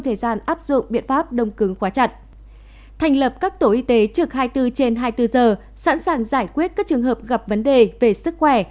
thành lập các tổ y tế trực hai mươi bốn trên hai mươi bốn giờ sẵn sàng giải quyết các trường hợp gặp vấn đề về sức khỏe